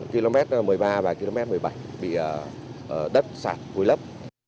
một km một mươi ba và một km một mươi bảy bị đất sạt vui lấp